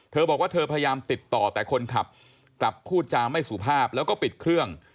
เธอบอกว่าเธอพยายามติดต่อแต่คนขับกลับพูดจาไม่สุภาพแล้วก็ปิดเครื่อง